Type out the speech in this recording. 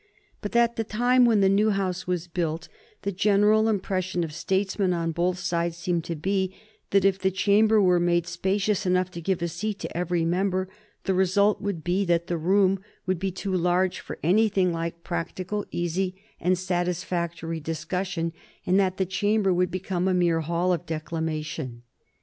But at the time when the new House was built, the general impression of statesmen on both sides seemed to be that, if the chamber were made spacious enough to give a seat to every member, the result would be that the room would be too large for anything like practical, easy, and satisfactory discussion, and that the chamber would become a mere hall of declamation.